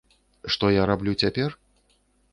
Што я раблю цяпер?